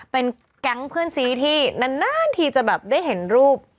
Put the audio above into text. เป็นแก๊งเพื่อนซีที่นานทีจะแบบได้เห็นรูป